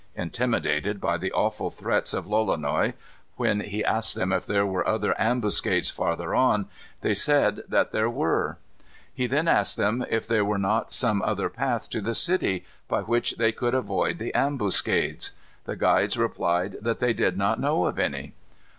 Intimidated by the awful threats of Lolonois, when he asked them if there were other ambuscades farther on, they said that there were. He then asked them if there were not some other path to the city, by which they could avoid the ambuscades. The guides replied that they did not know of any.